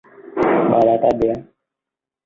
Bơi ra tới biển